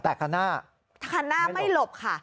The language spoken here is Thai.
แต่คันหน้าคันหน้าไม่หลบค่ะ